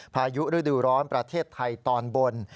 พายุฤดูร้อนประเทศไทยตอนบน